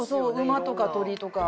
馬とか鳥とかうん。